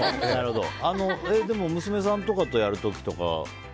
でも、娘さんとかとやる時とかは。